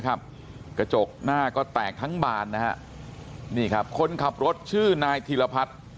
กระจกหน้าก็แตกทั้งบานนะฮะนี่ครับคนขับรถชื่อนายธีรพัฒน์